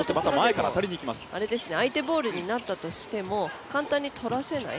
相手ボールになったとしても簡単にとらせない。